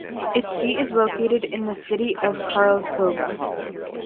Its seat is located in the city of Karlskoga.